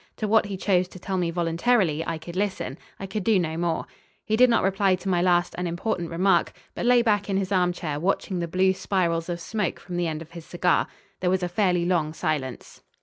To what he chose to tell me voluntarily I could listen. I could do no more. He did not reply to my last unimportant remark, but lay back in his armchair watching the blue spirals of smoke from the end of his cigar. There was a fairly long silence.